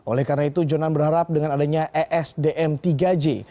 oleh karena itu jonan berharap dengan adanya esdm tiga j